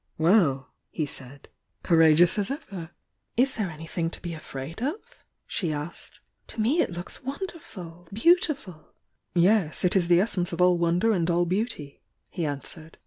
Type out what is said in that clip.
"Well!" he said.— "Courageous as ever?" "Is there anything to be afraid of?" she asked. "To me it looks wonderful! — beautiful!" "Yes — it is the essence of all wonder and all beau ty," he answered.